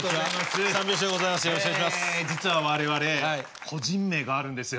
実は我々個人名があるんですよ。